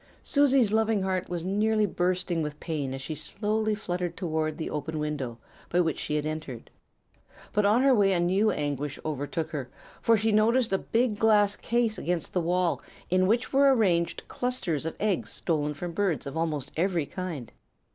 "Susie's loving heart was nearly bursting with pain as she slowly fluttered toward the open window by which she had entered. But on her way a new anguish overtook her, for she noticed a big glass case against the wall in which were arranged clusters of eggs stolen from birds of almost every kind.